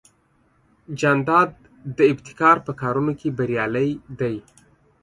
جانداد د ابتکار په کارونو کې بریالی دی.